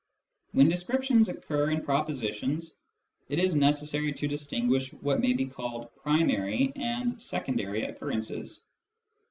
When descriptions occur in propositions, it is necessary to distinguish what may be called " primary " and " secondary " occurrences.